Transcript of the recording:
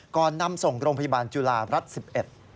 ก่อนนำส่งโรงพยาบาลจุฬารัฐ๑๑